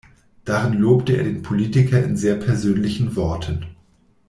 Darin lobte er den Politiker in sehr persönlichen Worten.